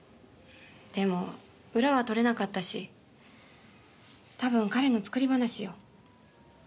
でも裏は取れなかったし多分彼の作り話よ。